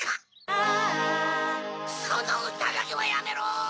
ああそのうただけはやめろ！